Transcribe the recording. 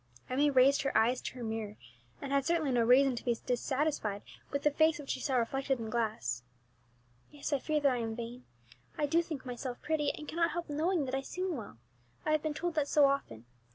Emmie raised her eyes to her mirror, and had certainly no reason to be dissatisfied with the face which she saw reflected in the glass. "Yes, I fear that I am vain; I do think myself pretty, and I cannot help knowing that I sing well, I have been told that so often.